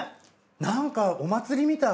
なんかお祭りみたい。